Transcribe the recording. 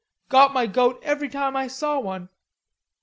Got my goat every time I saw one....